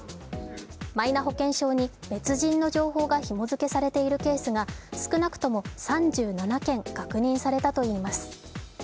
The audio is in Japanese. マイナ保険証に別人の情報がひも付けされているケースが少なくとも３７件確認されたといいます。